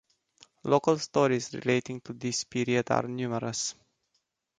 Local stories relating to this period are numerous.